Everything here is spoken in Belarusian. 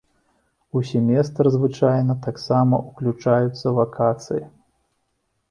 У семестр звычайна таксама ўключаюцца вакацыі.